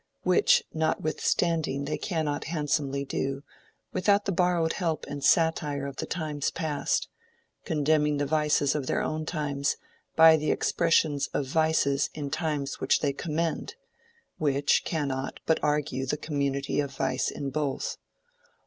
Which notwithstanding they cannot handsomely do, without the borrowed help and satire of times past; condemning the vices of their own times, by the expressions of vices in times which they commend, which cannot but argue the community of vice in both.